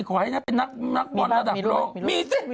ขอให้นะเป็นนักบอสระดับโลกมีสิมี